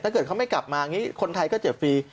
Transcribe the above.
ถ้าเกิดเขาไม่กลับมาอย่างนี้คนไทยก็เจ็บฟรี